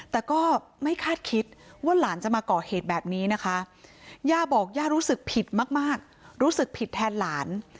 แต่ก็ไม่คาดคิดว่าหลานจะมาก่อเหตุแบบนี้นะคะย่าบอกย่ารู้สึกผิดมากรู้สึกผิดแทนหลาน